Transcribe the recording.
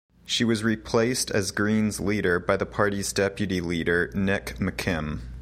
She was replaced as Greens leader by the party's deputy leader, Nick McKim.